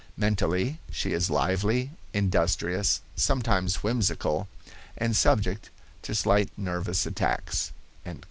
Mentally, she is lively, industrious, sometimes whimsical, and subject to slight nervous attacks."